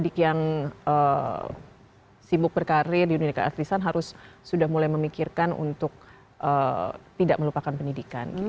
jadi saya pikir mungkin adik adik yang sibuk berkarir di dunia keartisan harus sudah mulai memikirkan untuk tidak melupakan pendidikan